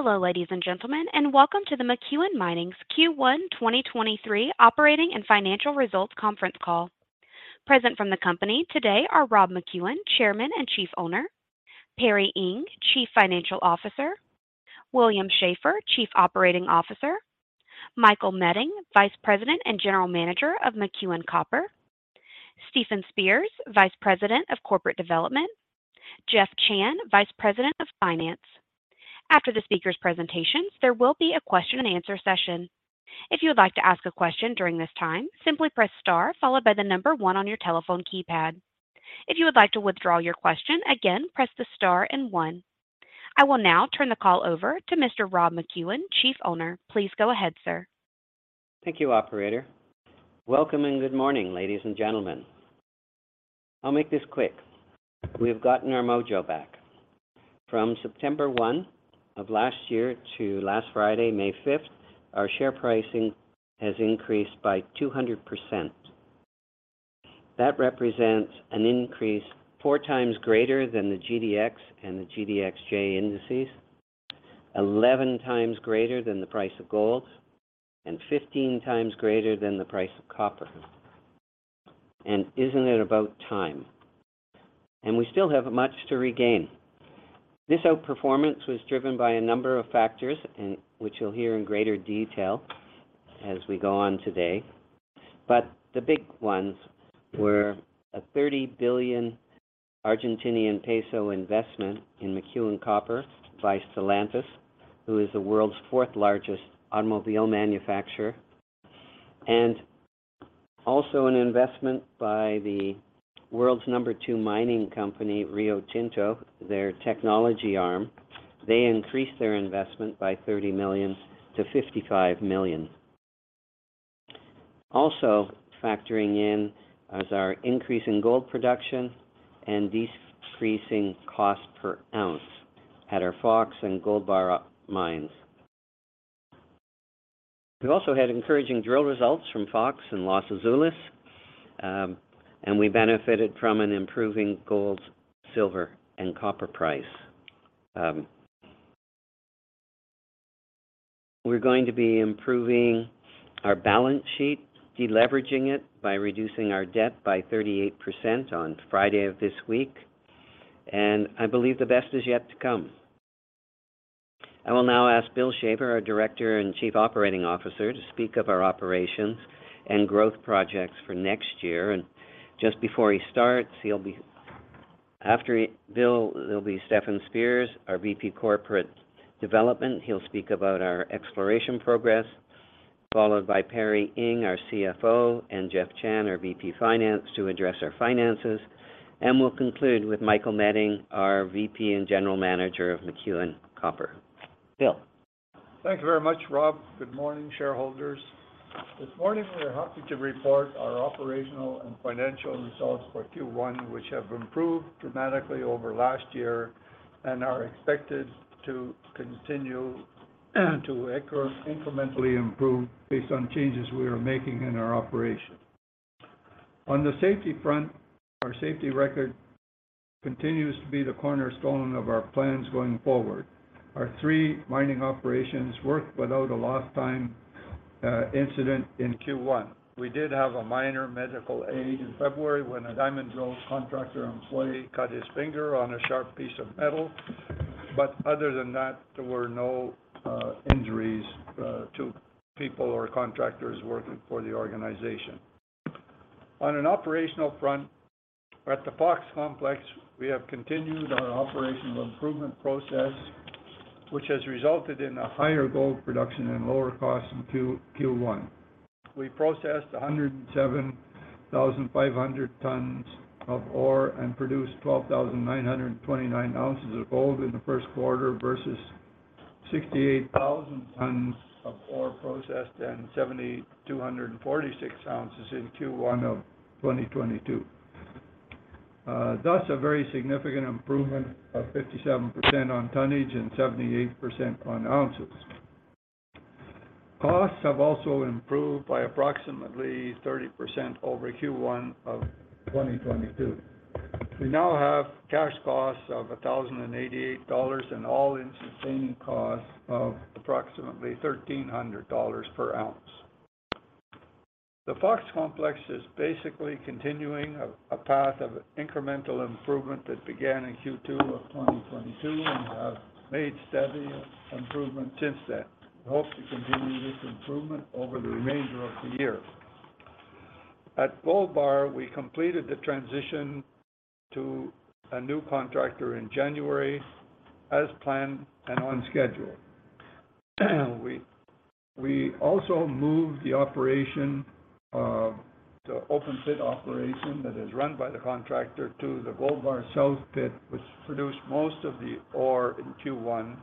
Hello, ladies and gentlemen, and welcome to the McEwen Mining's Q1 2023 operating and financial results conference call. Present from the company today are Rob McEwen, Chairman and Chief Owner, Perry Ing, Chief Financial Officer, William Shaver, Chief Operating Officer, Michael Meding, Vice President and General Manager of McEwen Copper, Stefan Spears, Vice President of Corporate Development, Jeff Chan, Vice President of Finance. After the speakers' presentations, there will be a question-and-answer session. If you would like to ask a question during this time, simply press star followed by the number one on your telephone keypad. If you would like to withdraw your question again, press the star and one. I will now turn the call over to Mr. Rob McEwen, Chief Owner. Please go ahead, sir. Thank you, operator. Welcome and good morning, ladies and gentlemen. I'll make this quick. We've gotten our mojo back. From September 1 of last year to last Friday, May 5th, our share pricing has increased by 200%. That represents an increase four times greater than the GDX and the GDXJ indices, 11 times greater than the price of gold, and 15 times greater than the price of copper. Isn't it about time? We still have much to regain. This outperformance was driven by a number of factors and which you'll hear in greater detail as we go on today. The big ones were a 30 billion peso investment in McEwen Copper by Stellantis, who is the world's 4th largest automobile manufacturer, and also an investment by the world's number two mining company, Rio Tinto, their technology arm. They increased their investment by $30 million to $55 million. Also factoring in is our increase in gold production and decreasing cost per ounce at our Fox and Gold Bar mines. We've also had encouraging drill results from Fox and Los Azules, and we benefited from an improving gold, silver, and copper price. We're going to be improving our balance sheet, deleveraging it by reducing our debt by 38% on Friday of this week, I believe the best is yet to come. I will now ask Bill Shaver, our Director and Chief Operating Officer to speak of our operations and growth projects for next year. Just before he starts, After Bill, it'll be Stefan Spears, our VP Corporate Development. He'll speak about our exploration progress, followed by Perry Ing, our CFO, and Jeff Chan, our VP Finance, to address our finances. We'll conclude with Michael Meding, our VP and General Manager of McEwen Copper. Bill. Thank you very much, Rob. Good morning, shareholders. This morning, we are happy to report our operational and financial results for Q1, which have improved dramatically over last year and are expected to continue to incrementally improve based on changes we are making in our operations. On the safety front, our safety record continues to be the cornerstonnee of our plans going forward. Our three mining operations worked without a lost time incident in Q1. We did have a minor medical aid in February when a diamond drill contractor employee cut his finger on a sharp piece of metal. Other than that, there were no injuries to people or contractors working for the organization. On an operational front at the Fox Complex, we have continued our operational improvement process, which has resulted in a higher gold production and lower costs in Q1. We processed 107,500 tonnes of ore and produced 12,929 oz of gold in the first quarter versus 68,000 tonnes of ore processed and 7,246 oz in Q1 of 2022. That's a very significant improvement of 57% on tonnage and 78% on ounces. Costs have also improved by approximately 30% over Q1 of 2022. We now have cash costs of $1,088 and all-in sustaining costs of approximately $1,300 per ounce. The Fox Complex is basically continuing a path of incremental improvement that began in Q2 of 2022 and have made steady improvement since then. We hope to continue this improvement over the remainder of the year. At Gold Bar, we completed the transition to a new contractor in January as planned and on schedule. We also moved the operation, the open-pit operation that is run by the contractor to the Gold Bar South Pit, which produced most of the ore in Q1.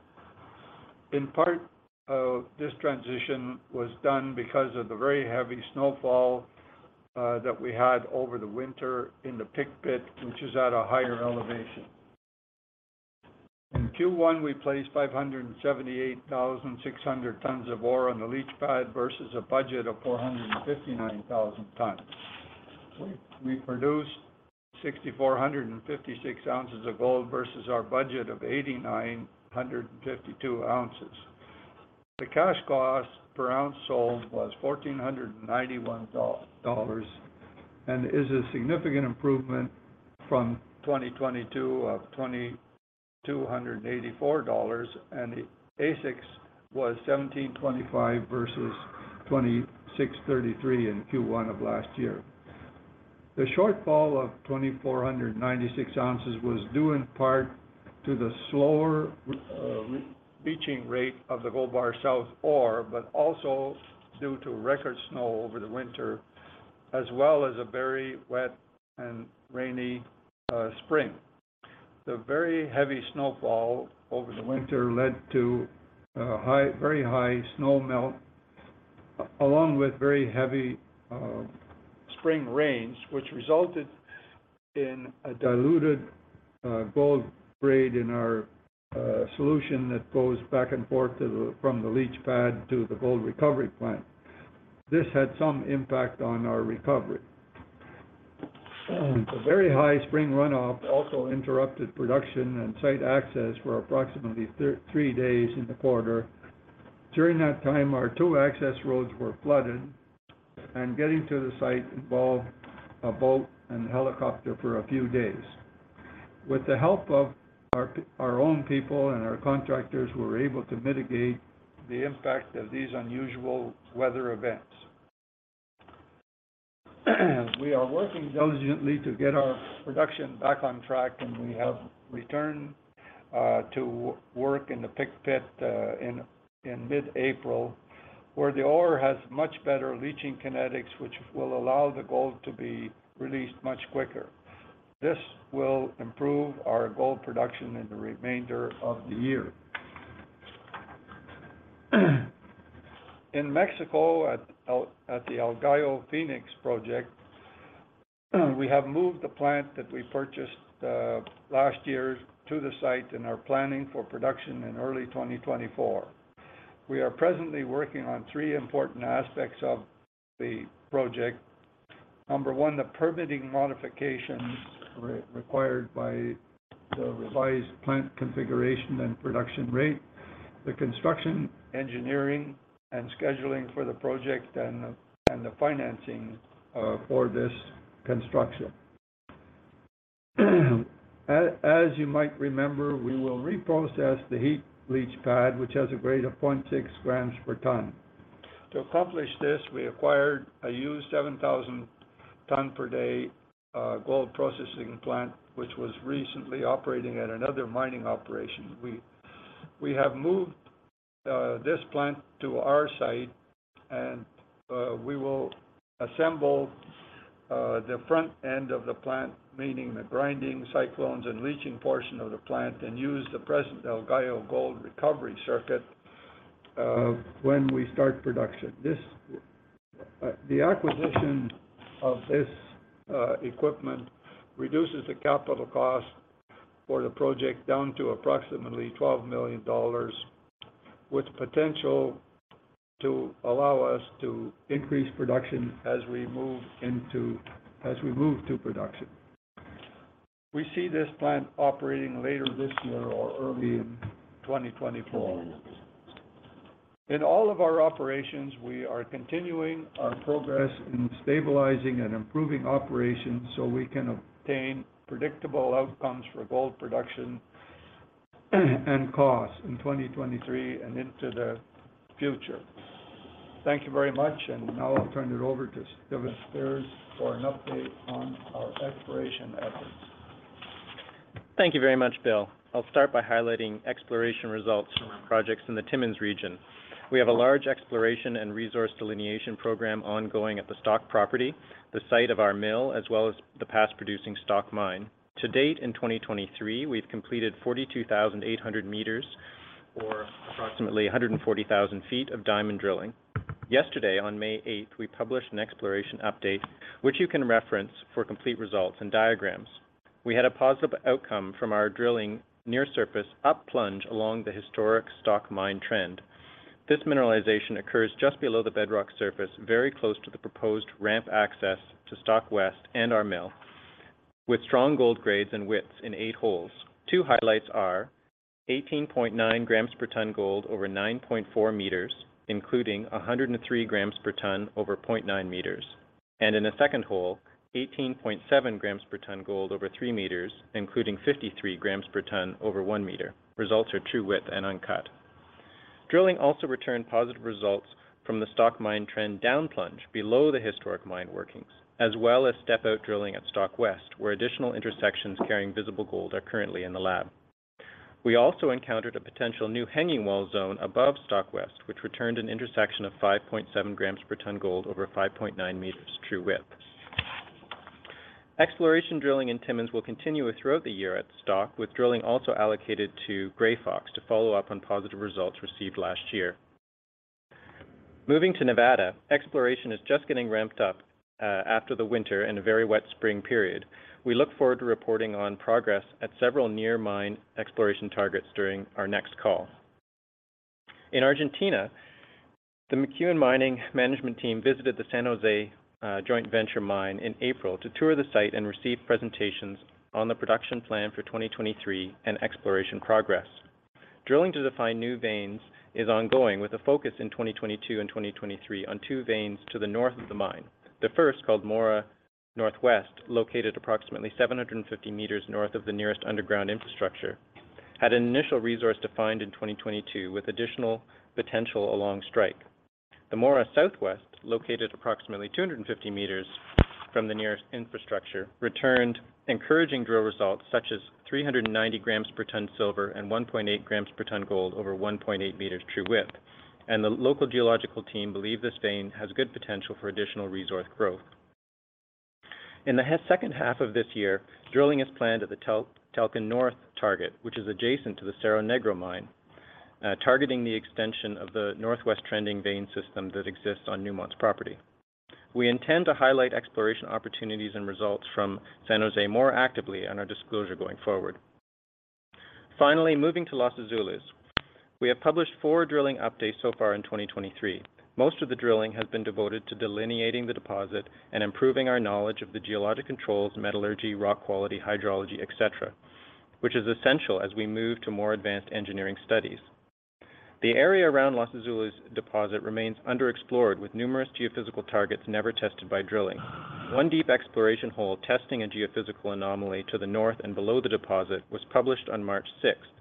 Part of this transition was done because of the very heavy snowfall that we had over the winter in the pit, which is at a higher elevation. In Q1, we placed 578,600 tonnes of ore on the leach pad versus a budget of 459,000 tonnes. We produced 6,456 oz of gold versus our budget of 8,952 oz. The cash cost per ounce sold was $1,491 and is a significant improvement from 2022 of $2,284, and the AISC was $1,725 versus $2,633 in Q1 of last year. The shortfall of 2,496 oz was due in part to the slower leaching rate of the Gold Bar South ore, but also due to record snow over the winter as well as a very wet and rainy spring. The very heavy snowfall over the winter led to very high snow melt along with very heavy spring rains, which resulted in a diluted gold grade in our solution that goes back and forth to the, from the leach pad to the gold recovery plant. This had some impact on our recovery. The very high spring runoff also interrupted production and site access for approximately three days in the quarter. During that time, our two access roads were flooded and getting to the site involved a boat and helicopter for a few days. With the help of our own people and our contractors, we were able to mitigate the impact of these unusual weather events. We are working diligently to get our production back on track, and we have returned to work in the Pick pit in mid-April where the ore has much better leaching kinetics, which will allow the gold to be released much quicker. This will improve our gold production in the remainder of the year. In Mexico at the El Gallo Fenix project, we have moved the plant that we purchased last year to the site and are planning for production in early 2024. We are presently working on three important aspects of the project. Number one, the permitting modifications required by the revised plant configuration and production rate, the construction, engineering, and scheduling for the project and the financing for this construction. As you might remember, we will reprocess the heap leach pad, which has a grade of 0.6 gpt. To accomplish this, we acquired a used 7,000 tonne per day gold processing plant, which was recently operating at another mining operation. We have moved this plant to our site and we will assemble the front end of the plant, meaning the grinding cyclones and leaching portion of the plant, and use the present El Gallo gold recovery circuit when we start production. The acquisition of this equipment reduces the capital cost for the project down to approximately $12 million with potential to allow us to increase production as we move to production. We see this plant operating later this year or early in 2024. In all of our operations, we are continuing our progress in stabilizing and improving operations so we can obtain predictable outcomes for gold production and cost in 2023 and into the future. Thank you very much. Now I'll turn it over to Stefan Spears for an update on our exploration efforts. Thank you very much, Bill. I'll start by highlighting exploration results from our projects in the Timmins region. We have a large exploration and resource delineation program ongoing at the Stock property, the site of our mill, as well as the past producing Stock Mine. To date, in 2023, we've completed 42,800 m or approximately 140,000 ft of diamond drilling. Yesterday, on May 8th, we published an exploration update which you can reference for complete results and diagrams. We had a positive outcome from our drilling near surface, up plunge along the historic Stock Mine trend. This mineralization occurs just below the bedrock surface, very close to the proposed ramp access to Stock West and our mill with strong gold grades and widths in eight holes. Two highlights are 18.9 gpt gold over 9.4 m, including 103 gpt over 0.9 m, and in a second hole, 18.7 gpt gold over 3 m, including 53 gpt over 1 m. Results are true width and uncut. Drilling also returned positive results from the Stock Mine trend down plunge below the historic mine workings as well as step-out drilling at Stock West, where additional intersections carrying visible gold are currently in the lab. We also encountered a potential new hanging wall zone above Stock West, which returned an intersection of 5.7 gpt gold over 5.9 m true width. Exploration drilling in Timmins will continue throughout the year at Stock with drilling also allocated to Grey Fox to follow up on positive results received last year. Moving to Nevada, exploration is just getting ramped up after the winter and a very wet spring period. We look forward to reporting on progress at several near mine exploration targets during our next call. In Argentina, the McEwen Mining management team visited the San José joint venture mine in April to tour the site and receive presentations on the production plan for 2023 and exploration progress. Drilling to define new veins is ongoing, with a focus in 2022 and 2023 on two veins to the north of the mine. The first, called Maura NW, located approximately 750 m north of the nearest underground infrastructure, had an initial resource defined in 2022, with additional potential along strike. The Maura SW, located approximately 250 m from the nearest infrastructure, returned encouraging drill results, such as 390 gpt silver and 1.8 gpt gold over 1.8 m true width. The local geological team believe this vein has good potential for additional resource growth. In the second half of this year, drilling is planned at the Telken North target, which is adjacent to the Cerro Negro mine, targeting the extension of the northwest-trending vein system that exists on Newmont's property. We intend to highlight exploration opportunities and results from San José more actively on our disclosure going forward. Finally, moving to Los Azules. We have published four drilling updates so far in 2023. Most of the drilling has been devoted to delineating the deposit and improving our knowledge of the geologic controls, metallurgy, rock quality, hydrology, et cetera, which is essential as we move to more advanced engineering studies. The area around Los Azules deposit remains underexplored, with numerous geophysical targets never tested by drilling. One deep exploration hole testing a geophysical anomaly to the north and below the deposit was published on March 6th.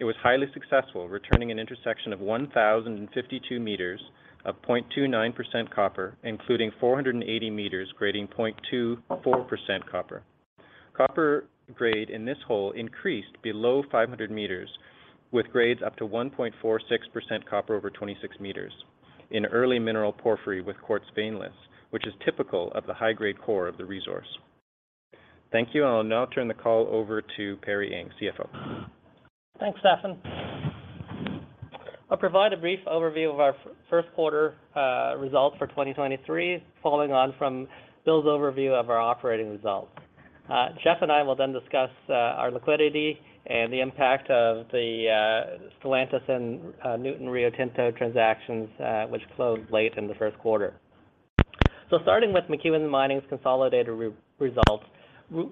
It was highly successful, returning an intersection of 1,052 m of 0.29% copper, including 480 m grading 0.24% copper. Copper grade in this hole increased below 500 m, with grades up to 1.46% copper over 26 m in early mineral porphyry with quartz veinlets, which is typical of the high-grade core of the resource. Thank you. I'll now turn the call over to Perry Ing, CFO. Thanks, Stefan. I'll provide a brief overview of our first quarter results for 2023, following on from Bill's overview of our operating results. Jeff and I will then discuss our liquidity and the impact of the Stellantis and Nuton Rio Tinto transactions, which closed late in the first quarter. Starting with McEwen Mining's consolidated results,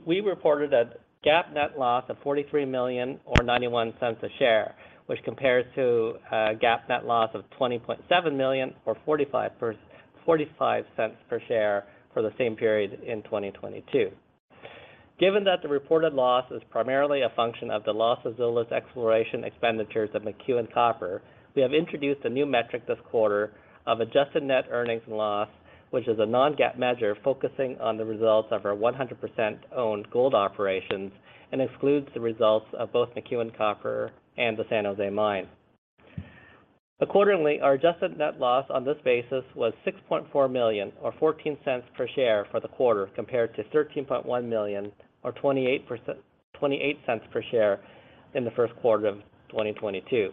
we reported a GAAP net loss of $43 million or $0.91 a share, which compares to a GAAP net loss of $20.7 million or $0.45 per share for the same period in 2022. Given that the reported loss is primarily a function of the loss of Azules' exploration expenditures at McEwen Copper, we have introduced a new metric this quarter of adjusted net earnings and loss, which is a non-GAAP measure focusing on the results of our 100% owned gold operations and excludes the results of both McEwen Copper and the San José mine. Our adjusted net loss on this basis was $6.4 million or $0.14 per share for the quarter, compared to $13.1 million or $0.28 per share in the first quarter of 2022.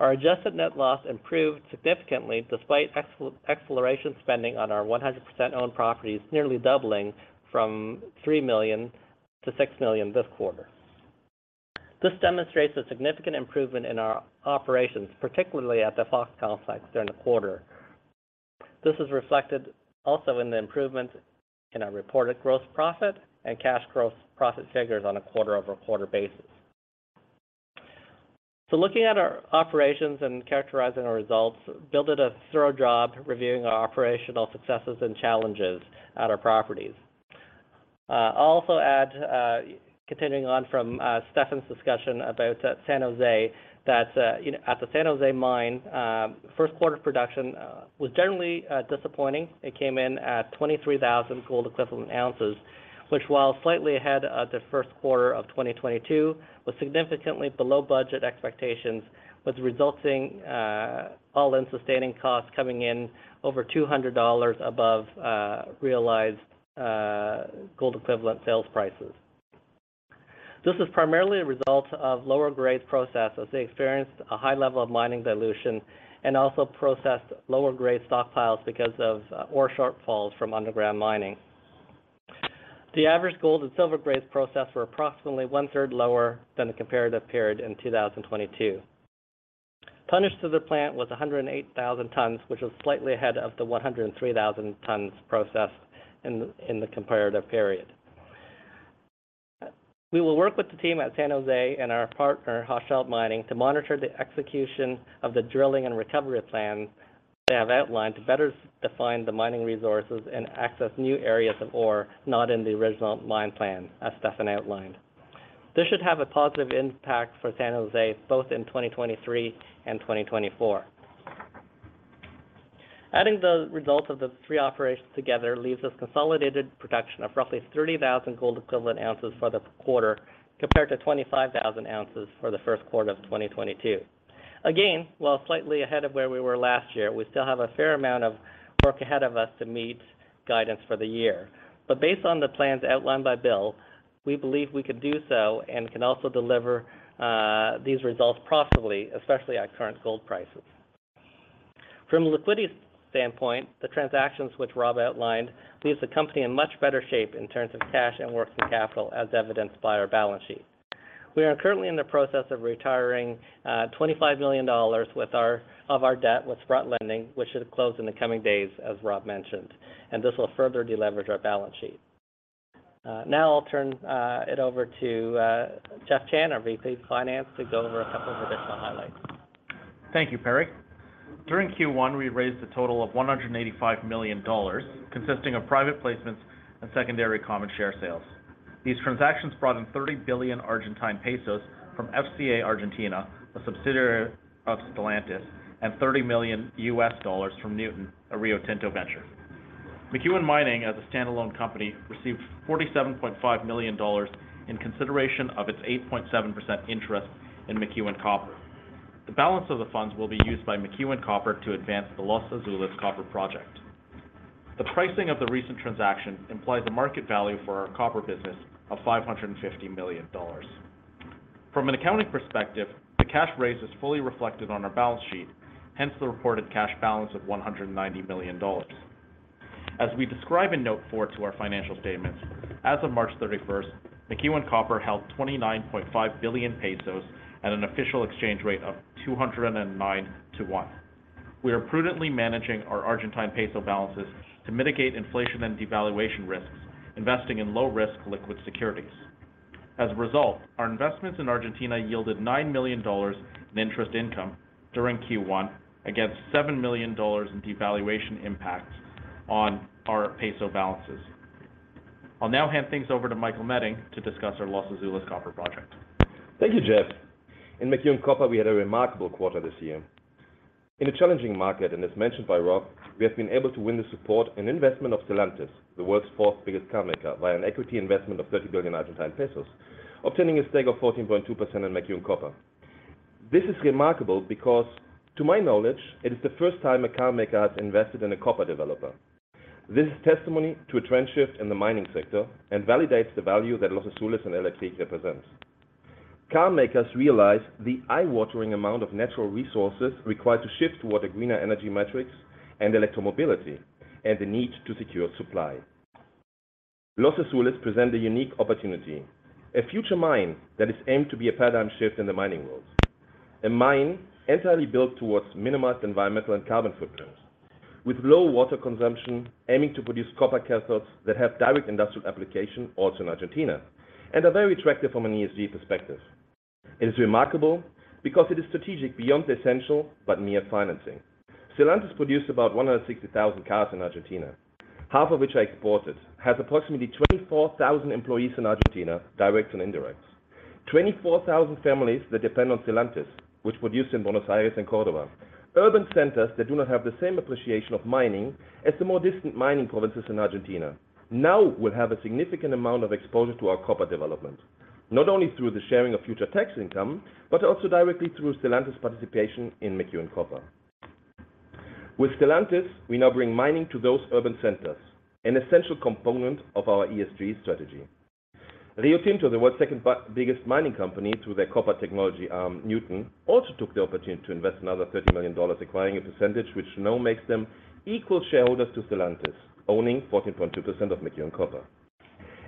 Our adjusted net loss improved significantly despite ex-exploration spending on our 100% owned properties, nearly doubling from $3 million to $6 million this quarter. This demonstrates a significant improvement in our operations, particularly at the Fox complex during the quarter. This is reflected also in the improvements in our reported gross profit and cash gross profit figures on a quarter-over-quarter basis. Looking at our operations and characterizing our results, Bill did a thorough job reviewing our operational successes and challenges at our properties. I'll also add, continuing on from Stefan's discussion about San José, that, you know, at the San José Mine, first quarter production was generally disappointing. It came in at 23,000 gold equivalent ounces, which, while slightly ahead of the first quarter of 2022, was significantly below budget expectations, with resulting all-in sustaining costs coming in over $200 above realized gold equivalent sales prices. This is primarily a result of lower-grade processes. They experienced a high level of mining dilution and also processed lower-grade stockpiles because of ore shortfalls from underground mining. The average gold and silver grades processed were approximately one-third lower than the comparative period in 2022. Tonnage to the plant was 108,000 tonnes, which was slightly ahead of the 103,000 tonnes processed in the comparative period. We will work with the team at San José and our partner, Hochschild Mining, to monitor the execution of the drilling and recovery plan they have outlined to better define the mining resources and access new areas of ore not in the original mine plan, as Stefan outlined. This should have a positive impact for San José, both in 2023 and 2024. Adding the results of the three operations together leaves us consolidated production of roughly 30,000 gold equivalent ounces for the quarter, compared to 25,000 oz for the first quarter of 2022. Again, while slightly ahead of where we were last year, we still have a fair amount of work ahead of us to meet guidance for the year. Based on the plans outlined by Bill, we believe we could do so and can also deliver these results profitably, especially at current gold prices. From a liquidity standpoint, the transactions which Rob outlined leaves the company in much better shape in terms of cash and working capital as evidenced by our balance sheet. We are currently in the process of retiring $25 million of our debt with Sprott Lending, which should close in the coming days, as Rob mentioned, and this will further deleverage our balance sheet. Now I'll turn it over to Jeff Chan, our VP of Finance, to go over a couple of additional highlights. Thank you, Perry. During Q1, we raised a total of $185 million, consisting of private placements and secondary common share sales. These transactions brought in 30 billion Argentine pesos from FCA Argentina, a subsidiary of Stellantis, and $30 million from Nuton, a Rio Tinto venture. McEwen Mining, as a standalone company, received $47.5 million in consideration of its 8.7% interest in McEwen Copper. The balance of the funds will be used by McEwen Copper to advance the Los Azules Copper Project. The pricing of the recent transaction implied the market value for our Copper business of $550 million. From an accounting perspective, the cash raise is fully reflected on our balance sheet, hence the reported cash balance of $190 million. As we describe in note four to our financial statements, as of March 31st, McEwen Copper held 29.5 billion pesos at an official exchange rate of 209 to 1. We are prudently managing our Argentine peso balances to mitigate inflation and devaluation risks, investing in low-risk liquid securities. As a result, our investments in Argentina yielded $9 million in interest income during Q1 against $7 million in devaluation impacts on our peso balances. I'll now hand things over to Michael Meding to discuss our Los Azules Copper Project. Thank you, Jeff. In McEwen Copper, we had a remarkable quarter this year. In a challenging market, as mentioned by Rob, we have been able to win the support and investment of Stellantis, the world's fourth biggest car maker, via an equity investment of 30 billion Argentine pesos, obtaining a stake of 14.2% in McEwen Copper. This is remarkable because to my knowledge, it is the first time a car maker has invested in a copper developer. This is testimony to a trend shift in the mining sector and validates the value that Los Azules and LFC represent. Car makers realize the eye-watering amount of natural resources required to shift toward a greener energy matrix and electromobility and the need to secure supply. Los Azules present a unique opportunity, a future mine that is aimed to be a paradigm shift in the mining world. A mine entirely built towards minimized environmental and carbon footprints with low water consumption, aiming to produce copper cathodes that have direct industrial application also in Argentina, and are very attractive from an ESG perspective. It is remarkable because it is strategic beyond the essential but mere financing. Stellantis produced about 160,000 cars in Argentina, half of which are exported, has approximately 24,000 employees in Argentina, direct and indirect. 24,000 families that depend on Stellantis, which produce in Buenos Aires and Córdoba. Urban centers that do not have the same appreciation of mining as the more distant mining provinces in Argentina now will have a significant amount of exposure to our copper development, not only through the sharing of future tax income, but also directly through Stellantis participation in McEwen Copper. With Stellantis, we now bring mining to those urban centers, an essential component of our ESG strategy. Rio Tinto, the world's second biggest mining company through their copper technology arm, Nuton, also took the opportunity to invest another $30 million, acquiring a percentage which now makes them equal shareholders to Stellantis, owning 14.2% of McEwen Copper.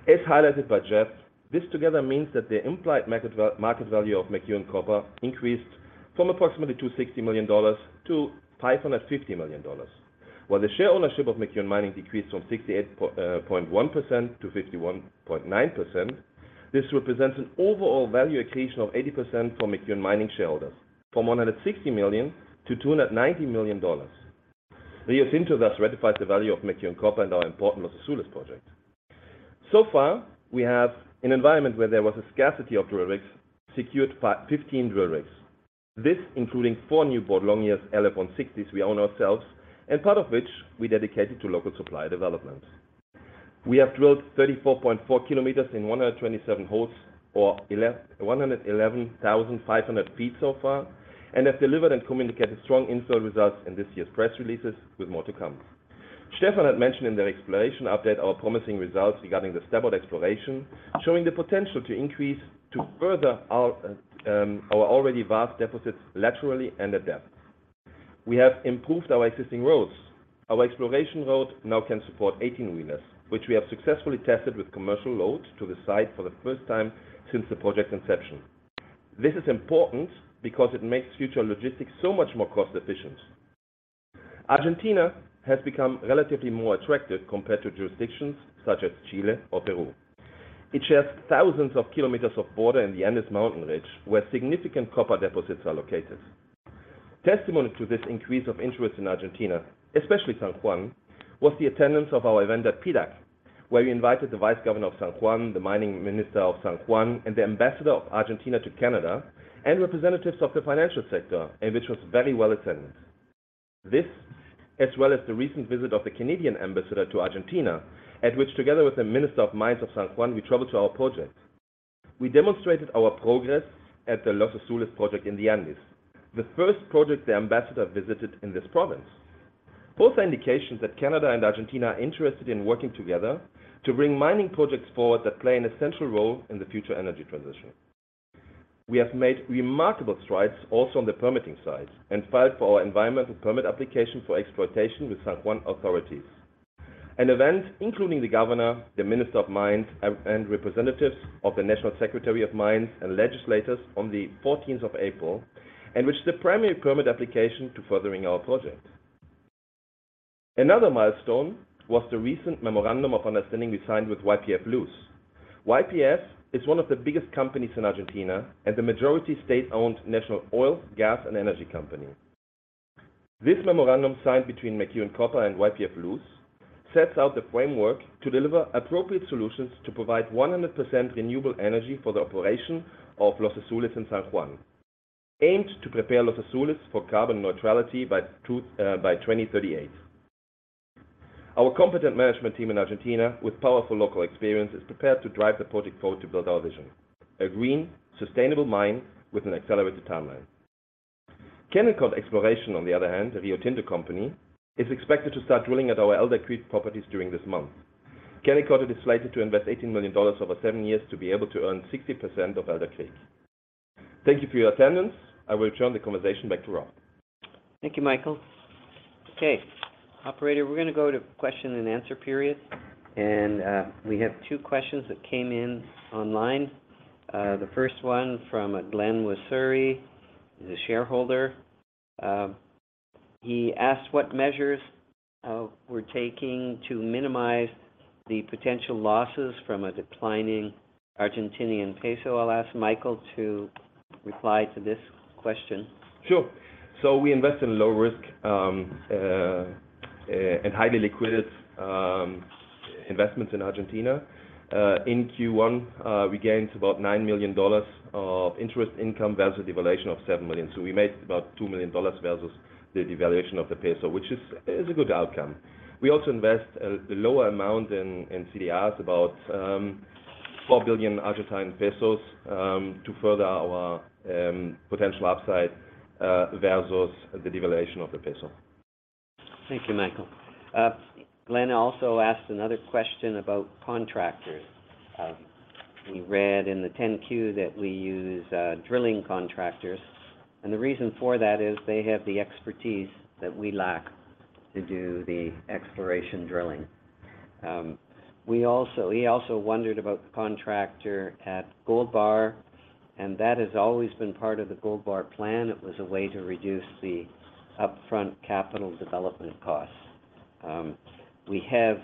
As highlighted by Jeff, this together means that the implied market value of McEwen Copper increased from approximately $260 million to $550 million. While the share ownership of McEwen Mining decreased from 68.1% to 51.9%, this represents an overall value accretion of 80% for McEwen Mining shareholders from $160 million to $290 million. Rio Tinto thus ratifies the value of McEwen Copper and our important Los Azules project. So far, we have an environment where there was a scarcity of drill rigs secured by 15 drill rigs. This including four new Boart Longyear's LF160s we own ourselves, and part of which we dedicated to local supply development. We have drilled 34.4 km in 127 holes, or 111,500 ft so far, and have delivered and communicated strong infill results in this year's press releases with more to come. Stefan had mentioned in the exploration update our promising results regarding the Starboard exploration, showing the potential to increase to further our already vast deficits laterally and at depth. We have improved our existing roads. Our exploration road now can support 18-wheelers, which we have successfully tested with commercial loads to the site for the first time since the project's inception. This is important because it makes future logistics so much more cost efficient. Argentina has become relatively more attractive compared to jurisdictions such as Chile or Peru. It shares thousands of kilometers of border in the Andes Mountain range, where significant copper deposits are located. Testimony to this increase of interest in Argentina, especially San Juan, was the attendance of our event at PDAC, where we invited the Vice Governor of San Juan, the Mining Minister of San Juan, and the Ambassador of Argentina to Canada, and representatives of the financial sector, and which was very well attended. This, as well as the recent visit of the Canadian Ambassador to Argentina, at which, together with the Minister of Mines of San Juan, we traveled to our project. We demonstrated our progress at the Los Azules project in the Andes, the first project the ambassador visited in this province. Both are indications that Canada and Argentina are interested in working together to bring mining projects forward that play an essential role in the future energy transition. We have made remarkable strides also on the permitting side and filed for our environmental permit application for exploitation with San Juan authorities. An event including the governor, the Minister of Mines, and representatives of the National Secretary of Mines and legislators on the fourteenth of April, and which is the primary permit application to furthering our project. Another milestone was the recent memorandum of understanding we signed with YPF Luz. YPF is one of the biggest companies in Argentina and the majority state-owned national oil, gas and energy company. This memorandum signed between McEwen Copper and YPF Luz sets out the framework to deliver appropriate solutions to provide 100% renewable energy for the operation of Los Azules in San Juan, aimed to prepare Los Azules for carbon neutrality by 2038. Our competent management team in Argentina with powerful local experience, is prepared to drive the project forward to build our vision. A green, sustainable mine with an accelerated timeline. Kennecott Exploration, on the other hand, a Rio Tinto company, is expected to start drilling at our Elder Creek properties during this month. Kennecott is slated to invest $18 million over seven years to be able to earn 60% of Elder Creek. Thank you for your attendance. I will turn the conversation back to Rob. Thank you, Michael. Okay, operator, we're gonna go to question-and-answer period. We have two questions that came in online. The first one from [Glenn Wisuri], he's a shareholder. He asked what measures we're taking to minimize the potential losses from a declining Argentinian peso. I'll ask Michael to reply to this question. Sure. We invest in low risk and highly liquid investments in Argentina. In Q1, we gained about $9 million of interest income versus devaluation of $7 million. We made about $2 million versus the devaluation of the peso, which is a good outcome. We also invest a lower amount in CDRs, about 4 billion Argentine pesos, to further our potential upside versus the devaluation of the peso. Thank you, Michael. [Glenn] also asked another question about contractors. We read in the 10-Q that we use drilling contractors and the reason for that is they have the expertise that we lack to do the exploration drilling. He also wondered about the contractor at Gold Bar, that has always been part of the Gold Bar plan. It was a way to reduce the upfront capital development costs. We have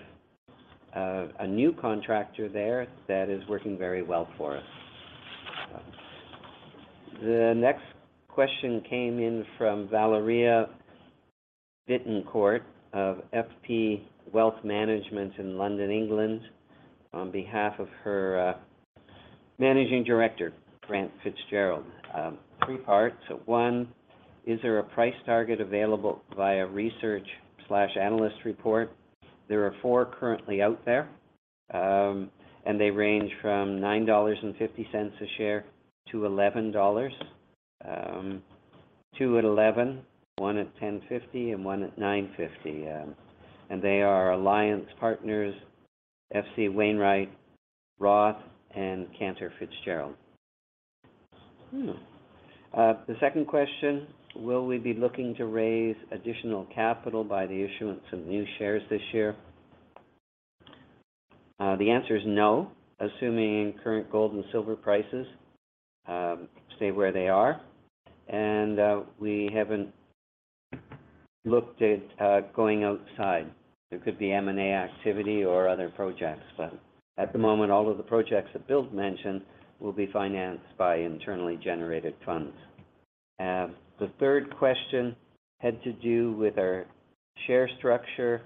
a new contractor there that is working very well for us. The next question came in from [Valeria Bittencourt] of FP Wealth Management in London, England, on behalf of her managing director, [Grant Fitzgerald]. Three parts. one, is there a price target available via research/analyst report? There are four currently out there, they range from $9.50 a share to $11. $2 at $11, $1 at $10.50, and $1 at $9.50. They are Alliance Partners, H.C. Wainwright, ROTH, and Cantor Fitzgerald. The second question, will we be looking to raise additional capital by the issuance of new shares this year? The answer is no, assuming current gold and silver prices stay where they are. We haven't looked at going outside. There could be M&A activity or other projects, but at the moment, all of the projects that Bill's mentioned will be financed by internally generated funds. The third question had to do with our share structure,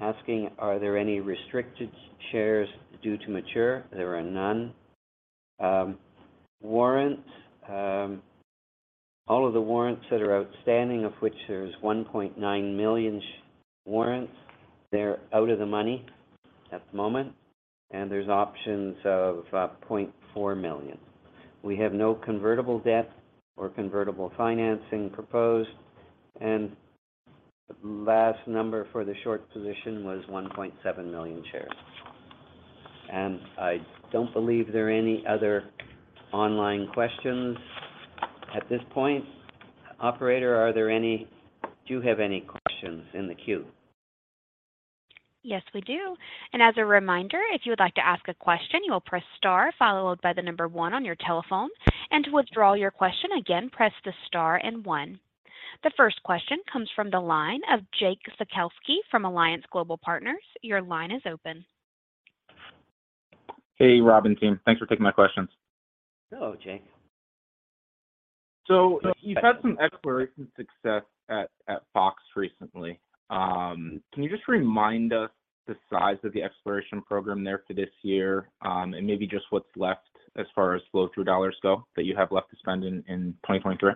asking, are there any restricted shares due to mature? There are none. Warrants, all of the warrants that are outstanding, of which there's 1.9 million warrants, they're out of the money at the moment, and there's options of 0.4 million. We have no convertible debt or convertible financing proposed. The last number for the short position was 1.7 million shares. I don't believe there are any other online questions at this point. Operator, do you have any questions in the queue? Yes, we do. As a reminder, if you would like to ask a question, you will press star followed by one on your telephone. To withdraw your question, again, press the star and one. The first question comes from the line of Jake Sekelsky from Alliance Global Partners. Your line is open. Hey, Rob and team. Thanks for taking my questions. Hello, Jake. You've had some exploration success at Fox recently. Can you just remind us the size of the exploration program there for this year, and maybe just what's left as far as flow-through dollars go that you have left to spend in 2023?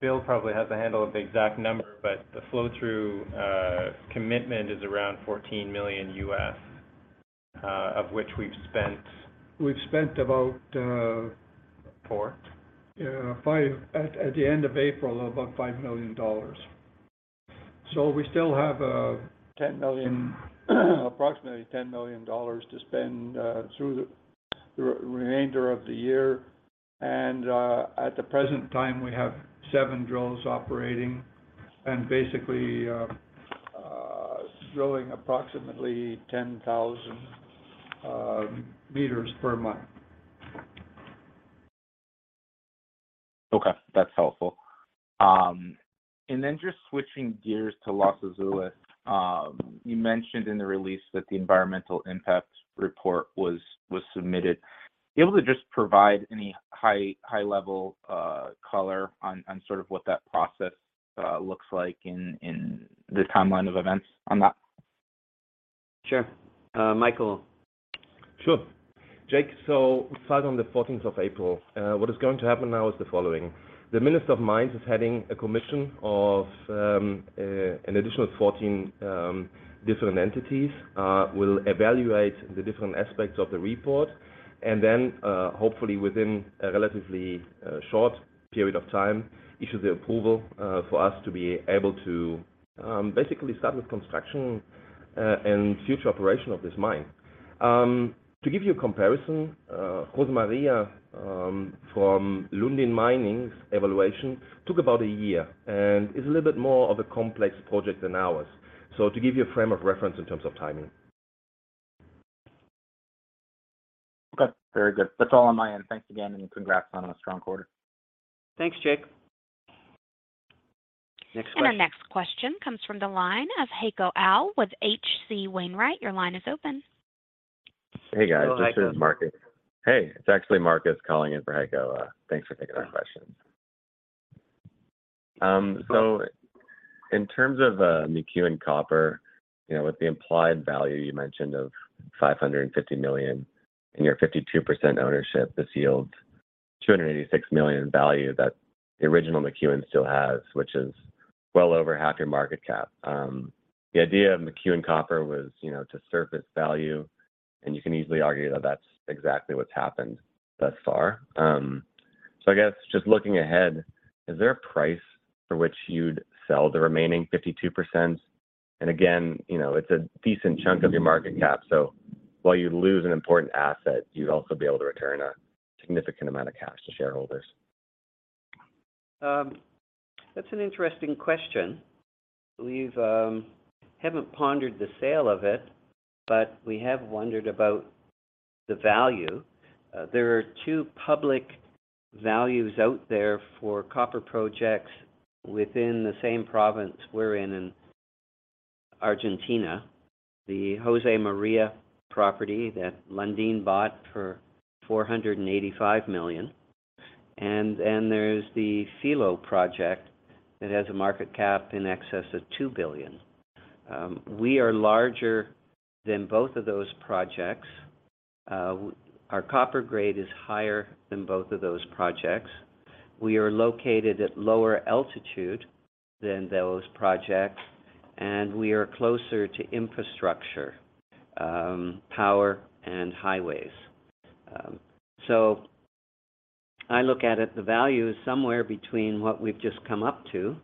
Bill probably has the handle of the exact number, but the flow-through commitment is around $14 million of which we've spent. We've spent about. Four? Yeah, $5 million. At the end of April, about $5 million. We still have $10 million, approximately $10 million to spend through the remainder of the year. At the present time, we have seven drills operating and basically drilling approximately 10,000 m per month. Okay, that's helpful. Just switching gears to Los Azules, you mentioned in the release that the environmental impact report was submitted. You able to just provide any high level color on sort of what that process looks like in the timeline of events on that? Sure. Michael. Sure. Jake, we filed on the 14th of April. What is going to happen now is the following: The Minister of Mines is heading a commission of an additional 14 different entities, will evaluate the different aspects of the report and then hopefully within a relatively short period of time, issue the approval for us to be able to basically start with construction and future operation of this mine. To give you a comparison, Josemaria from Lundin Mining's evaluation took about a year, and it's a little bit more of a complex project than ours. To give you a frame of reference in terms of timing. Okay. Very good. That's all on my end. Thanks again, and congrats on a strong quarter. Thanks, Jake. Next question. Our next question comes from the line of Heiko Ihle with H.C. Wainwright. Your line is open. Hello, Heiko. Hey, guys. This is Marcus. Hey, it's actually Marcus calling in for Heiko. Thanks for taking our questions. In terms of McEwen Copper, you know, with the implied value you mentioned of $550 million and your 52% ownership, this yields $286 million value that the original McEwen still has, which is well over half your market cap. The idea of McEwen Copper was, you know, to surface value, and you can easily argue that that's exactly what's happened thus far. I guess just looking ahead, is there a price for which you'd sell the remaining 52%? Again, you know, it's a decent chunk of your market cap. While you'd lose an important asset, you'd also be able to return a significant amount of cash to shareholders. That's an interesting question. Believe, haven't pondered the sale of it, but we have wondered about the value. There are two public values out there for copper projects within the same province we're in Argentina, the Josemaria property that Lundin bought for $485 million, and there's the Filo project that has a market cap in excess of $2 billion. We are larger than both of those projects. Our copper grade is higher than both of those projects. We are located at lower altitude than those projects, and we are closer to infrastructure, power, and highways. I look at it, the value is somewhere between what we've just come up to,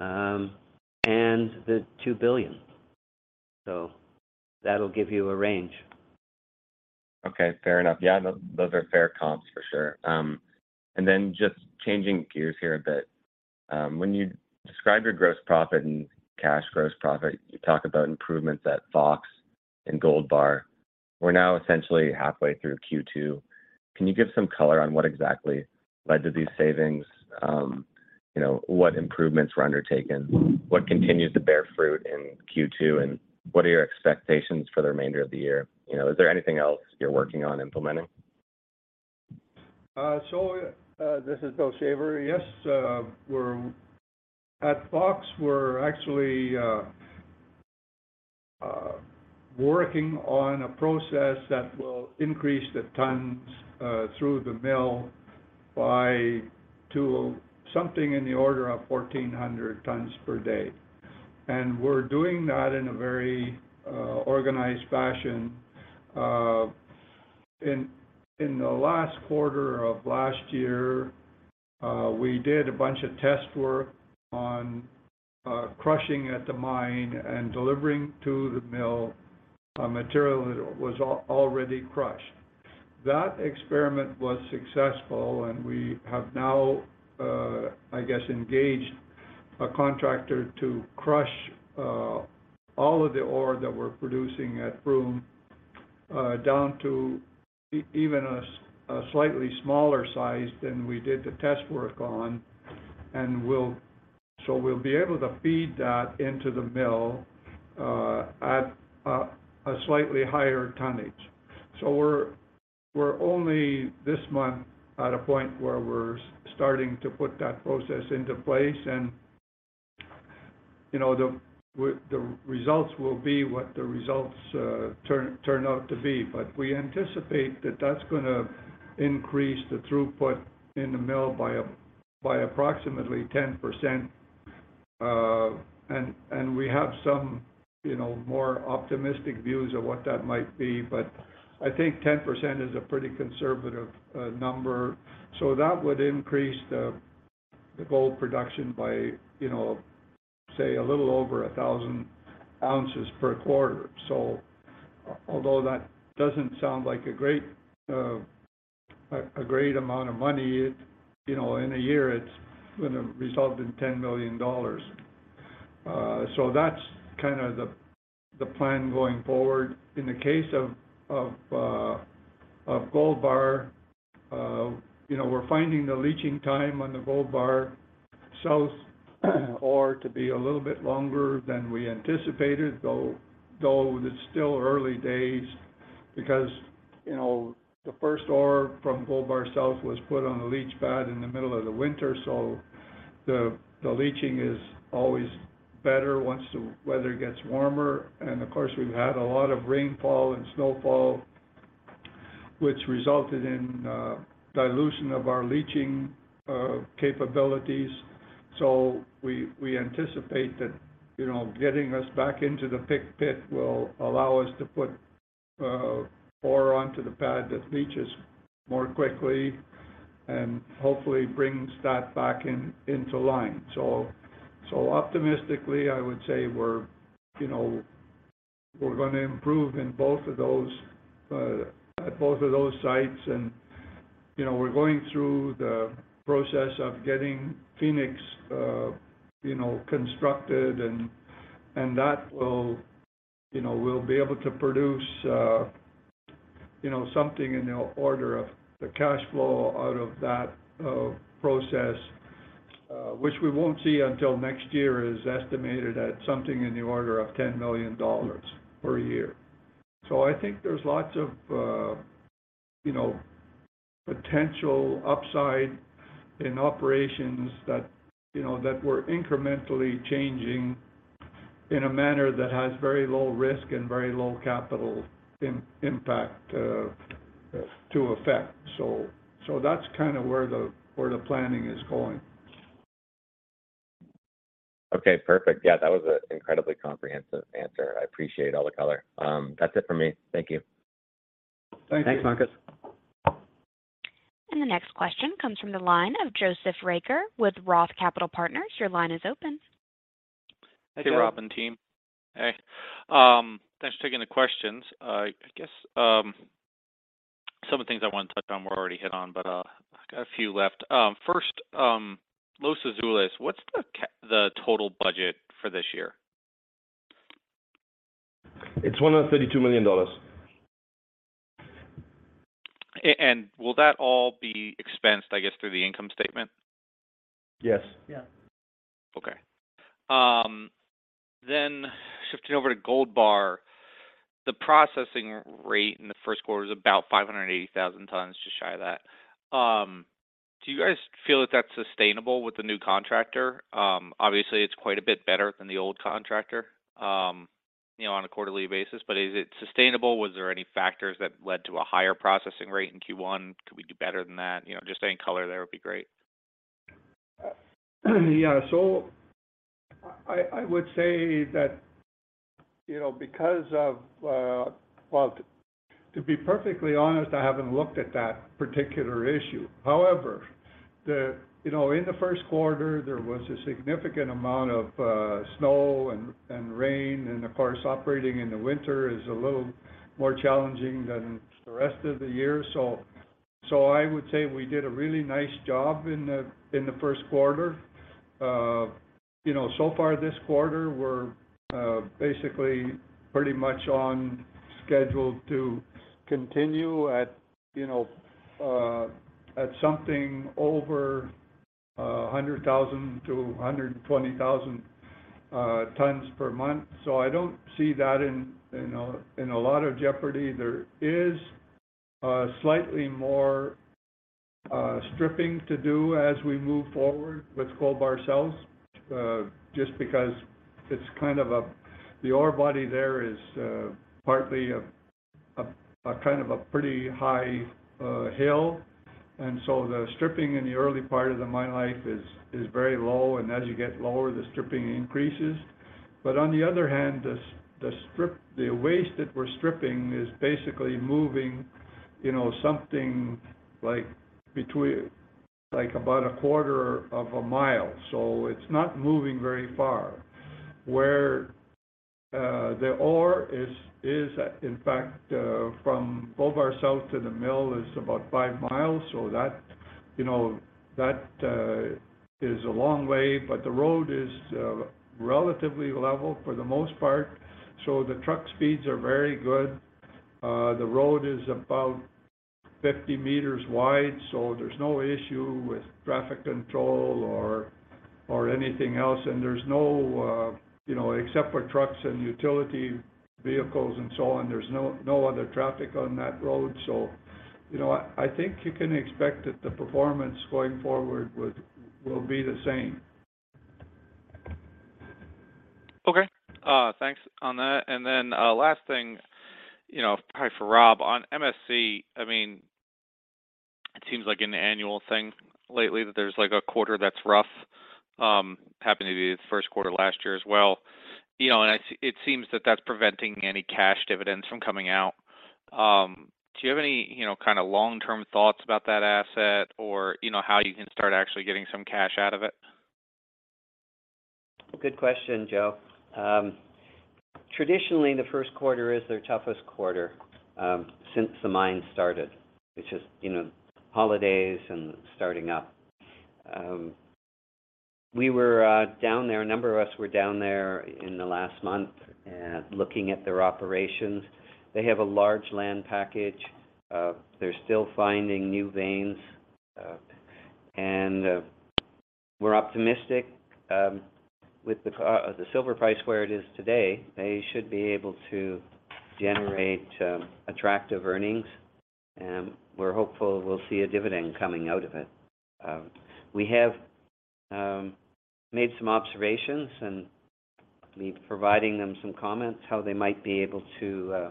and the $2 billion. That'll give you a range. Okay. Fair enough. Yeah, those are fair comps for sure. Just changing gears here a bit, when you described your gross profit and cash gross profit, you talk about improvements at Fox and Gold Bar. We're now essentially halfway through Q2. Can you give some color on what exactly led to these savings? You know, what improvements were undertaken? What continues to bear fruit in Q2, and what are your expectations for the remainder of the year? You know, is there anything else you're working on implementing? This is Bill Shaver. Yes, at Fox, we're actually working on a process that will increase the tonnes through the mill to something in the order of 1,400 tonnes per day. We're doing that in a very organized fashion. In the last quarter of last year, we did a bunch of test work on crushing at the mine and delivering to the mill material that was already crushed. That experiment was successful, and we have now, I guess, engaged a contractor to crush all of the ore that we're producing at Froome down to even a slightly smaller size than we did the test work on. So we'll be able to feed that into the mill at a slightly higher tonnage. We're only this month at a point where we're starting to put that process into place. You know, the results will be what the results turn out to be. We anticipate that that's gonna increase the throughput in the mill by approximately 10%. And we have some, you know, more optimistic views of what that might be. I think 10% is a pretty conservative number. That would increase the gold production by, you know, say a little over 1,000 oz per quarter. Although that doesn't sound like a great amount of money, you know, in a year it's gonna result in $10 million. That's kinda the plan going forward. In the case of Gold Bar, you know, we're finding the leaching time on the Gold Bar South ore to be a little bit longer than we anticipated, though it's still early days because, you know, the first ore from Gold Bar South was put on the leach pad in the middle of the winter, so the leaching is always better once the weather gets warmer. Of course, we've had a lot of rainfall and snowfall, which resulted in dilution of our leaching capabilities. We anticipate that, you know, getting us back into the Pick pit will allow us to put ore onto the pad that leaches more quickly, and hopefully brings that back into line. Optimistically, I would say we're, you know, we're gonna improve in both of those at both of those sites. You know, we're going through the process of getting Fenix, you know, constructed and that will, you know, we'll be able to produce, you know, something in the order of the cash flow out of that process, which we won't see until next year, is estimated at something in the order of $10 million per year. I think there's lots of, you know, potential upside in operations that, you know, that we're incrementally changing in a manner that has very low risk and very low capital impact to affect. That's kinda where the planning is going. Okay, perfect. Yeah, that was a incredibly comprehensive answer. I appreciate all the color. That's it for me. Thank you. Thank you. Thanks, Marcus. The next question comes from the line of Joseph Reagor with ROTH Capital Partners. Your line is open. Hey, Rob and team. Hey. Thanks for taking the questions. I guess, some of the things I wanted to touch on were already hit on, but I got a few left. First, Los Azules, what's the total budget for this year? It's $132 million. Will that all be expensed, I guess, through the income statement? Yes. Okay. shifting over to Gold Bar, the processing rate in the first quarter was about 580,000 tonnes, just shy of that. Do you guys feel that that's sustainable with the new contractor? Obviously, it's quite a bit better than the old contractor, you know, on a quarterly basis. Is it sustainable? Was there any factors that led to a higher processing rate in Q1? Could we do better than that? You know, just any color there would be great. Yeah. I would say that, you know, because of. Well, to be perfectly honest, I haven't looked at that particular issue. However, you know, in the first quarter, there was a significant amount of snow and rain, and of course, operating in the winter is a little more challenging than the rest of the year. I would say we did a really nice job in the first quarter. You know, so far this quarter, we're basically pretty much on schedule to continue at, you know, at something over 100,000-120,000 tonnes per month. I don't see that in a lot of jeopardy. There is slightly more stripping to do as we move forward with Gold Bar South, just because it's kind of a. The ore body there is partly a kind of a pretty high hill. The stripping in the early part of the mine life is very low, and as you get lower, the stripping increases. On the other hand, the strip, the waste that we're stripping is basically moving, you know, something like between, like about a quarter of a mile, so it's not moving very far. Where the ore is in fact, from Gold Bar South to the mill is about 5 mi, so that, you know, that is a long way. The road is relatively level for the most part, so the truck speeds are very good. The road is about 50 m wide, so there's no issue with traffic control or anything else. There's no, you know, except for trucks and utility vehicles and so on, there's no other traffic on that road. You know, I think you can expect that the performance going forward will be the same. Okay. Thanks on that. Last thing, you know, probably for Rob, on MSC, I mean, it seems like an annual thing lately that there's like a quarter that's rough, happened to be the first quarter last year as well. You know, it seems that that's preventing any cash dividends from coming out. Do you have any, you know, kind of long-term thoughts about that asset or, you know, how you can start actually getting some cash out of it? Good question, Joe. Traditionally, the first quarter is their toughest quarter, since the mine started, which is, you know, holidays and starting up. We were down there, a number of us were down there in the last month, looking at their operations. They have a large land package. They're still finding new veins, and we're optimistic with the silver price where it is today, they should be able to generate attractive earnings, and we're hopeful we'll see a dividend coming out of it. We have made some observations and be providing them some comments how they might be able to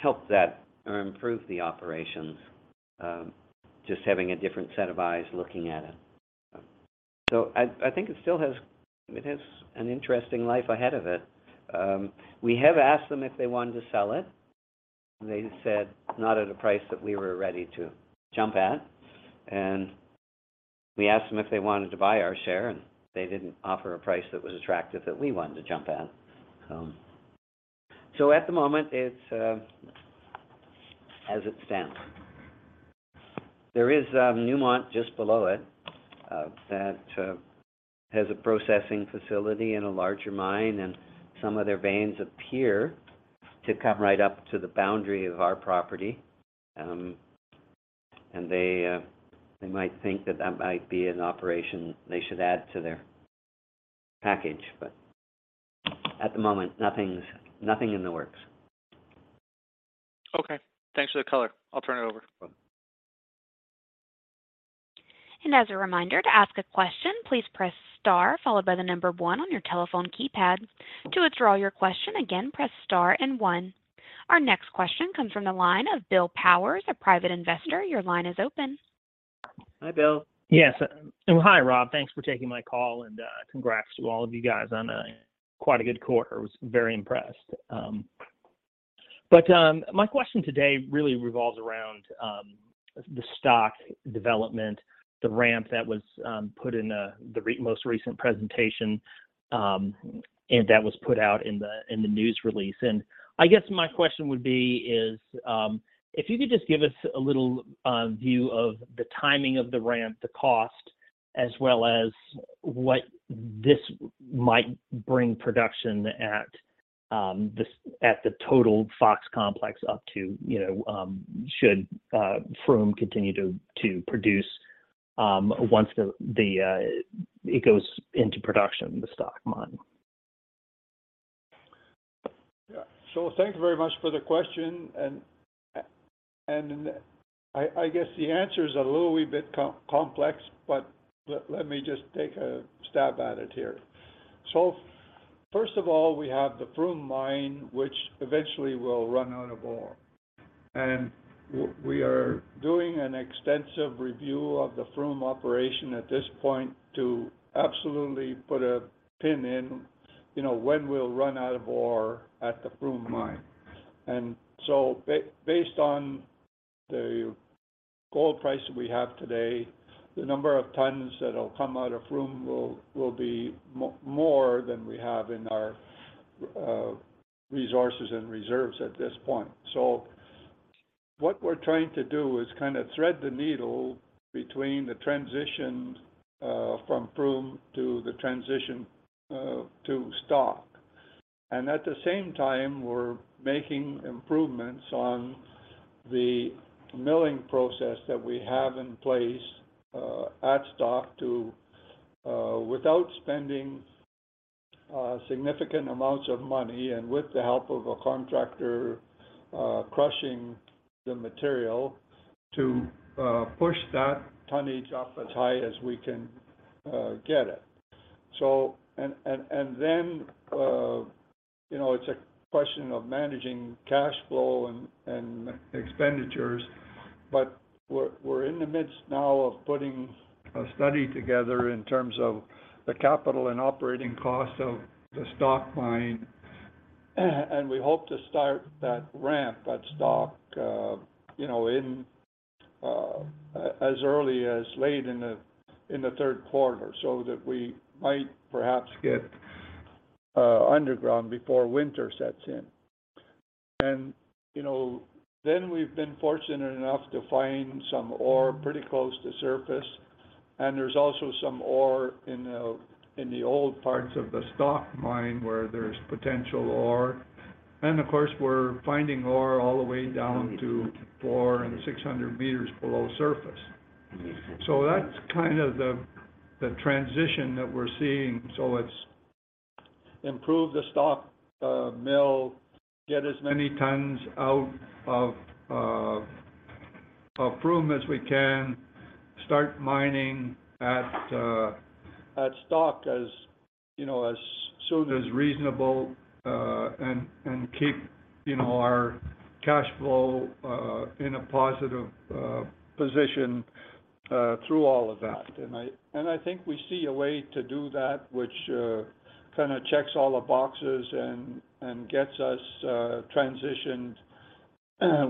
help that or improve the operations, just having a different set of eyes looking at it. I think it still has, it has an interesting life ahead of it. We have asked them if they wanted to sell it. They said not at a price that we were ready to jump at. We asked them if they wanted to buy our share, and they didn't offer a price that was attractive that we wanted to jump at. At the moment, it's as it stands. There is Newmont just below it that has a processing facility and a larger mine, and some of their veins appear to come right up to the boundary of our property. They might think that that might be an operation they should add to their package. At the moment, nothing's, nothing in the works. Okay. Thanks for the color. I'll turn it over. As a reminder, to ask a question, please press star followed by one on your telephone keypad. To withdraw your question, again, press star and one. Our next question comes from the line of Bill Powers, a private investor. Your line is open. Hi, Bill. Yes. Hi, Rob. Thanks for taking my call. Congrats to all of you guys on quite a good quarter. I was very impressed. My question today really revolves around the stock development, the ramp that was put in the most recent presentation, and that was put out in the news release. I guess my question would be is, if you could just give us a little view of the timing of the ramp, the cost, as well as what this might bring production at the total Fox Complex up to, you know, should Froome continue to produce once it goes into production, the stock mine. Thank you very much for the question. I guess the answer is a little wee bit complex, but let me just take a stab at it here. First of all, we have the Froome Mine, which eventually will run out of ore. We are doing an extensive review of the Froome operation at this point to absolutely put a pin in, you know, when we'll run out of ore at the Froome Mine. Based on the gold price we have today, the number of tonnes that'll come out of Froome will be more than we have in our resources and reserves at this point. What we're trying to do is kind of thread the needle between the transition from Froome to the transition to Stock. At the same time, we're making improvements on the milling process that we have in place at Froome to, without spending significant amounts of money and with the help of a contractor, crushing the material to push that tonnage up as high as we can get it. Then, you know, it's a question of managing cash flow and expenditures, but we're in the midst now of putting a study together in terms of the capital and operating costs of the Froome Mine. We hope to start that ramp at Froome, you know, in as early as late in the third quarter so that we might perhaps get underground before winter sets in. You know, then we've been fortunate enough to find some ore pretty close to surface. There's also some ore in the, in the old parts of the Stock Mine where there's potential ore. Of course, we're finding ore all the way down to four and 600 m below surface. That's kind of the transition that we're seeing. It's improve the Stock mill, get as many tonnes out of Froome as we can. Start mining at Stock as, you know, as soon as reasonable, and keep, you know, our cash flow in a positive position through all of that. I think we see a way to do that which kinda checks all the boxes and gets us transitioned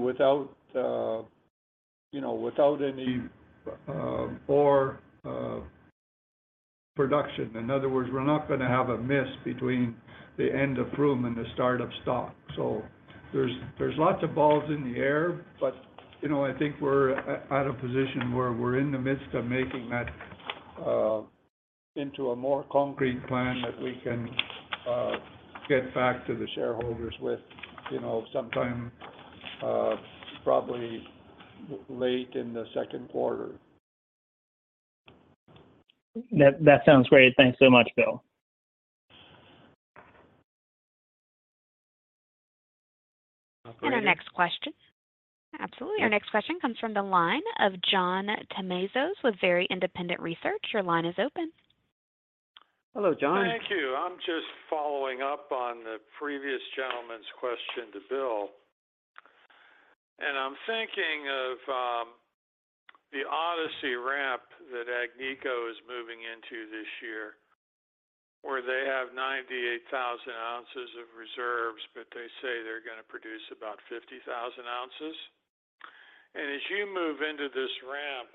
without, you know, without any ore production. In other words, we're not gonna have a miss between the end of Froome and the start of Stock. There's lots of balls in the air but, you know, I think we're at a position where we're in the midst of making that into a more concrete plan that we can get back to the shareholders with, you know, sometime, probably late in the second quarter. That sounds great. Thanks so much, Bill. Okay. Our next question. Absolutely. Your next question comes from the line of John Tumazos with Very Independent Research. Your line is open. Hello, John. Thank you. I'm just following up on the previous gentleman's question to Bill. I'm thinking of the Odyssey ramp that Agnico is moving into this year, where they have 98,000 oz of reserves, but they say they're gonna produce about 50,000 oz. As you move into this ramp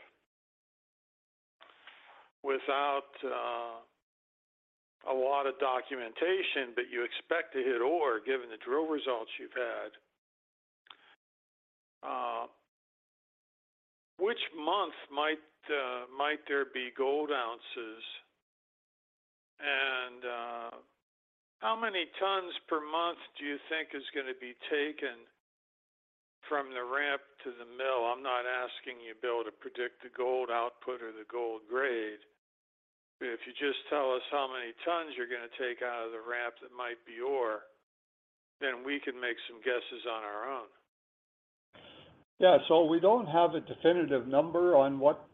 without a lot of documentation, but you expect to hit ore given the drill results you've had, which month might there be gold ounces? How many tonnes per month do you think is gonna be taken from the ramp to the mill? I'm not asking you, Bill, to predict the gold output or the gold grade. If you just tell us how many tonnes you're gonna take out of the ramp that might be ore, then we can make some guesses on our own. We don't have a definitive number on what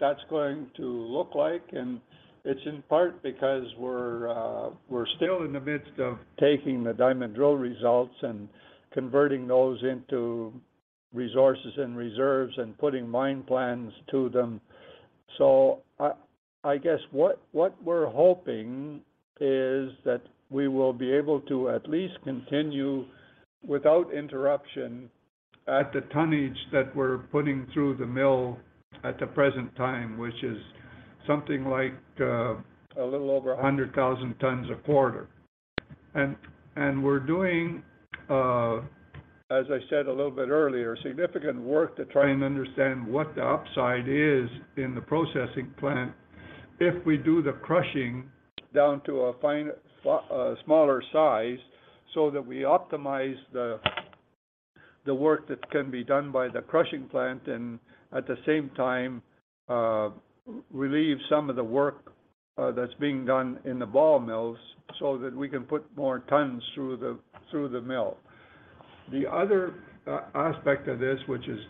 that's going to look like, and it's in part because we're still in the midst of taking the diamond drill results and converting those into resources and reserves and putting mine plans to them. I guess what we're hoping is that we will be able to at least continue without interruption at the tonnage that we're putting through the mill at the present time, which is something like a little over 100,000 tonnes a quarter. We're doing, as I said a little bit earlier, significant work to try and understand what the upside is in the processing plant if we do the crushing down to a fine, a smaller size, so that we optimize the work that can be done by the crushing plant, and at the same time, relieve some of the work that's being done in the ball mills so that we can put more tonnes through the mill. The other aspect of this, which is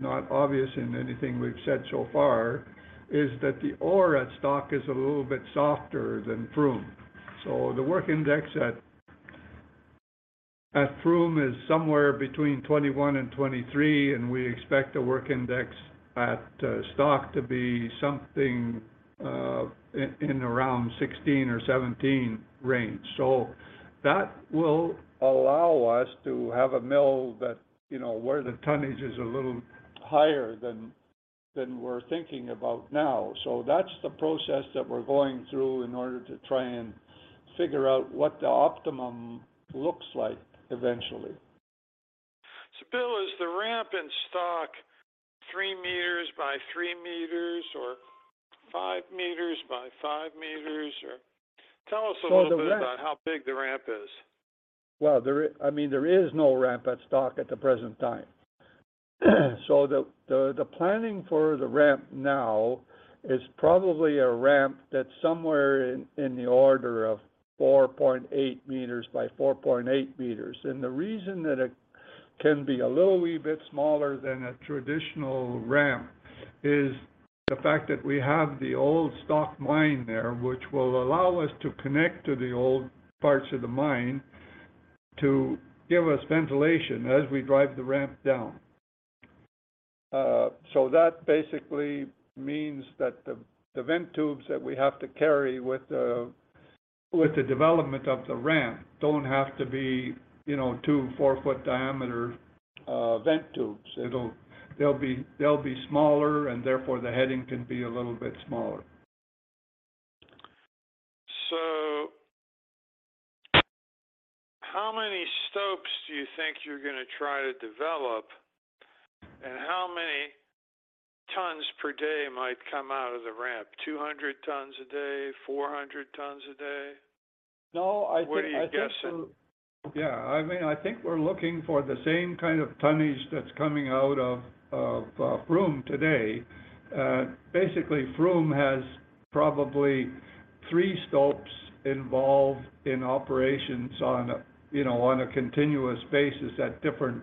not obvious in anything we've said so far, is that the ore at Stock is a little bit softer than Froome. The work index at Froome is somewhere between 21-23, and we expect the work index at Stock to be something in around 16-17 range. That will allow us to have a mill that, you know, where the tonnage is a little higher than we're thinking about now. That's the process that we're going through in order to try and figure out what the optimum looks like eventually. Bill, is the ramp in Stock 3 m by 3 m or 5 m by 5 m? Tell us a little bit about how big the ramp is. Well, I mean, there is no ramp at Stock at the present time. The planning for the ramp now is probably a ramp that's somewhere in the order of 4.8 m by 4.8 m. The reason that it can be a little wee bit smaller than a traditional ramp is the fact that we have the old Stock mine there, which will allow us to connect to the old parts of the mine to give us ventilation as we drive the ramp down. That basically means that the vent tubes that we have to carry with the development of the ramp don't have to be, you know, two 4-foot diameter vent tubes. They'll be smaller, and therefore the heading can be a little bit smaller. How many stopes do you think you're gonna try to develop, and how many tonnes per day might come out of the ramp? 200 tonnes a day? 400 tonnes a day? No, I think. What are you guessing? Yeah. I mean, I think we're looking for the same kind of tonnage that's coming out of Froome today. Basically, Froome has probably three stopes involved in operations on a, you know, on a continuous basis at different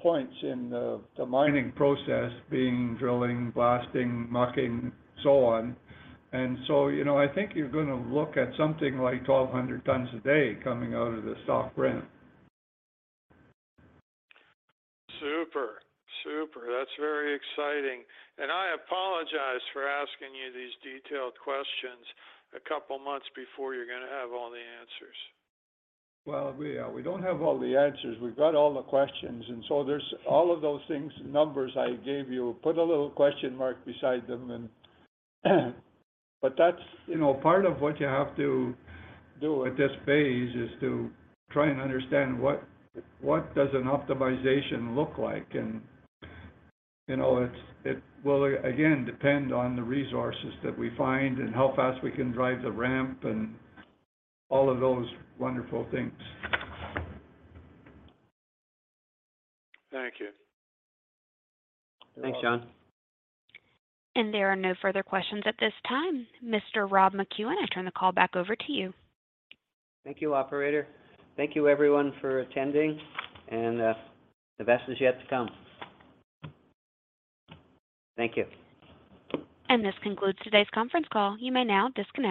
points in the mining process, being drilling, blasting, mucking, so on. You know, I think you're gonna look at something like 1,200 tonnes a day coming out of the Stock ramp. Super. Super. That's very exciting. I apologize for asking you these detailed questions a couple months before you're gonna have all the answers. Well, we don't have all the answers. We've got all the questions. There's all of those things, numbers I gave you, put a little question mark beside them. That's, you know, part of what you have to do at this phase, is to try and understand what does an optimization look like. You know, it's, it will again, depend on the resources that we find and how fast we can drive the ramp and all of those wonderful things. Thank you. Thanks, John. There are no further questions at this time. Mr. Rob McEwen, I turn the call back over to you. Thank you, operator. Thank you everyone for attending, the best is yet to come. Thank you. This concludes today's conference call. You may now disconnect.